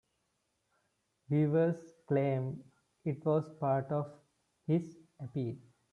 Viewers claimed it was part of his appeal.